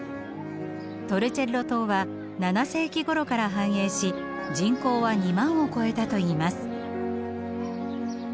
トルチェッロ島は７世紀ごろから繁栄し人口は２万を超えたといいます。